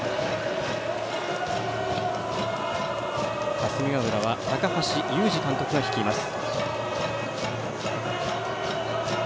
霞ヶ浦は、高橋祐二監督が率います。